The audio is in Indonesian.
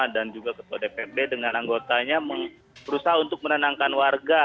dan juga kepodek ppd dengan anggotanya berusaha untuk menenangkan warga